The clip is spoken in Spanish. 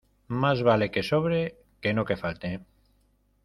Más vale que sobre que no que falte.